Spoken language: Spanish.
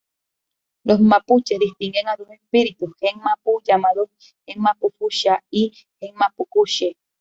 Los Mapuches distinguen a dos espíritus Ngen-mapu, llamados Ngen-mapu-fücha y Ngen-mapu-kushe.